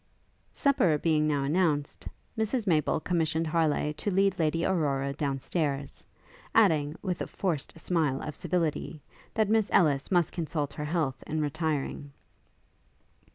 Supper being now announced, Mrs Maple commissioned Harleigh to lead Lady Aurora down stairs, adding, with a forced smile of civility, that Miss Ellis must consult her health in retiring.